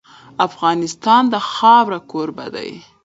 افغانستان د خاوره کوربه دی.